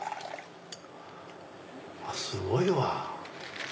すごいわ。